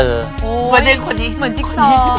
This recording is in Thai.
เหมือนจิ๊กซอม